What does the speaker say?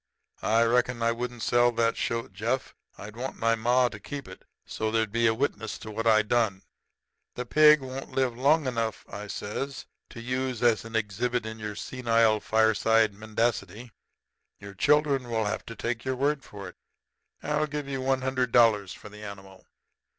I reckon I wouldn't sell that shoat, Jeff. I'd want ma to keep it, so there'd be a witness to what I done.' "'The pig won't live long enough,' I says, 'to use as an exhibit in your senile fireside mendacity. Your grandchildren will have to take your word for it. I'll give you one hundred dollars for the animal.'